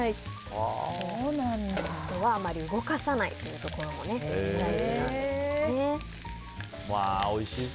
あとは、あまり動かさないということも大事だそうです。